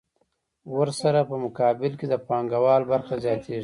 ورسره په مقابل کې د پانګوال برخه زیاتېږي